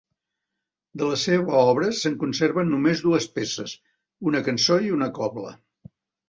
De la seva obra se'n conserven només dues peces: una cançó i una cobla.